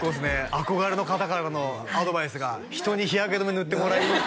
憧れの方からのアドバイスが「人に日焼け止め塗ってもらい」